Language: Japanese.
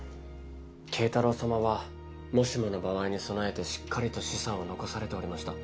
啓太郎様はもしもの場合に備えてしっかりと資産を残されておりました。